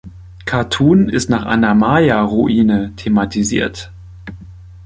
Katun ist nach einer Maya-Ruine thematisiert.